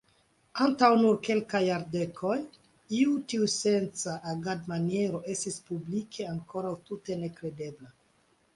Antaŭ nur kelkaj jardekoj, iu tiusenca agadmaniero estis publike ankoraŭ tute nekredebla.